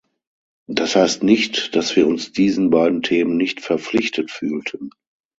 Das heißt nicht, dass wir uns diesen beiden Themen nicht verpflichtet fühlten.